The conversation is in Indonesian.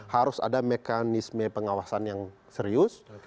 harus ada mekanisme pengawasan yang serius